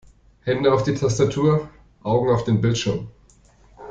Hände auf die Tastatur, Augen auf den Bildschirm!